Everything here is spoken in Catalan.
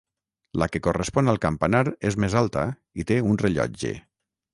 La que correspon al campanar és més alta i té un rellotge.